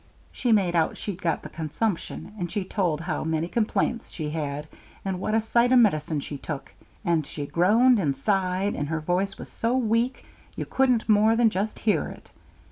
She made out she'd got the consumption, and she told how many complaints she had, and what a sight o' medicine she took, and she groaned and sighed, and her voice was so weak you couldn't more than just hear it.